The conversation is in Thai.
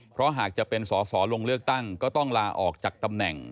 เพราะหากจะเป็นสอสอลงเลือกตั้งก็ต้องลาออกจากตำแหน่ง